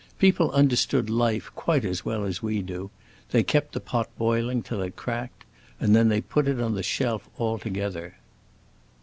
People understood life quite as well as we do. They kept the pot boiling till it cracked, and then they put it on the shelf altogether."